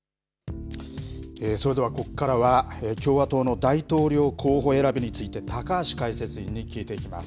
それではここからは、共和党の大統領候補選びについて、高橋解説委員に聞いていきます。